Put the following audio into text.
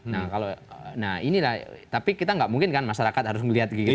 nah kalau nah inilah tapi kita nggak mungkin kan masyarakat harus melihat gini